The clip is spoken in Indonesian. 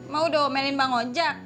ma udah ngomelin mbak ngojak